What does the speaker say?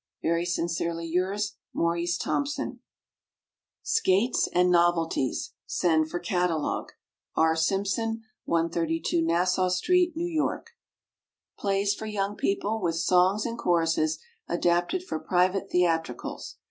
Very sincerely yours, MAURICE THOMPSON. SKATES AND NOVELTIES, Send for Catalogue. R. SIMPSON, 132 Nassau St., N. Y. =PLAYS FOR YOUNG PEOPLE=, with Songs and Choruses, adapted for Private Theatricals.